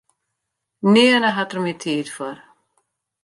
Nearne hat er mear tiid foar.